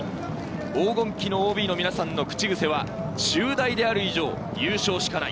黄金期のＯＢの皆さんの口癖は中大である以上、優勝しかない。